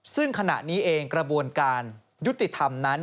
ซึ่งขณะนี้เองกระบวนการยุติธรรมนั้น